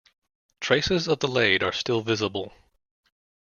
Traces of the lade are still visible.